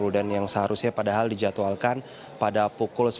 dan yang seharusnya padahal dijadwalkan pada pukul sepuluh